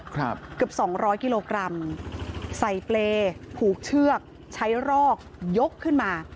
เกือบสองร้อยกิโลกรัมใส่เปรย์ผูกเชือกใช้รอกยกขึ้นมา